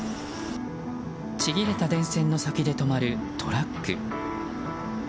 ちぎれた電線の先で止まるトラック。